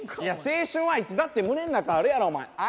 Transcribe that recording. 青春はいつだって胸の中あるやろお前。